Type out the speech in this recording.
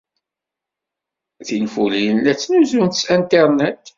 Tinfulin la ttnuzunt s Internet.